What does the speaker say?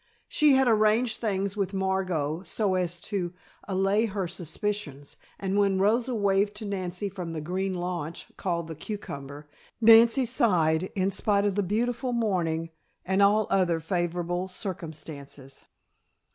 She had arranged things with Margot so as to allay her suspicions, and when Rosa waved to Nancy from the green launch, called the Cucumber, Nancy sighed in spite of the beautiful morning and all other favorable circumstances.